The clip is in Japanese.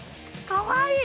かわいい。